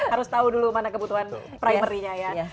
harus tahu dulu mana kebutuhan primary nya ya